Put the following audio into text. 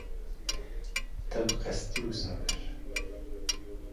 Te bi qesdî wisa kir?